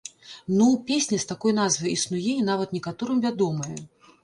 Ну, песня з такой назвай існуе і нават некаторым вядомая.